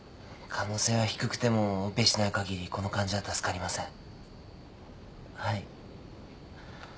可能性は低くてもオペしない限りこの患者は助かりません。